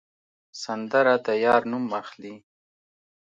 سندره د یار نوم اخلي